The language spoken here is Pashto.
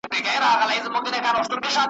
هر ټکی مې د درد له زړه راټوکېد